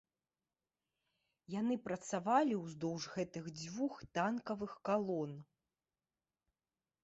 Яны працавалі ўздоўж гэтых дзвюх танкавых калон.